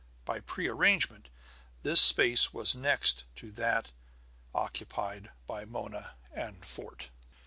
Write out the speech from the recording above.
By prearrangement this space was next to that occupied by Mona and Fort.